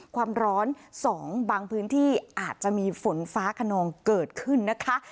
ความร้อน๒บางพื้นที่อาจจะมีฝนฟ้าขนองเกิดขึ้นนะคะ